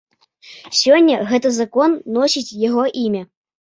Сёння гэты закон носіць яго імя.